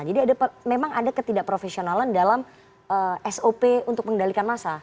jadi memang ada ketidakprofesionalan dalam sop untuk mengendalikan masa